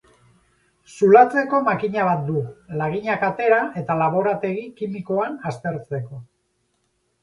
Zulatzeko makina bat du, laginak atera eta laborategi kimikoan aztertzeko.